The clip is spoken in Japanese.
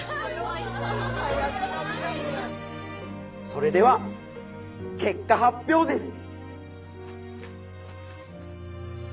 それでは結果発表です。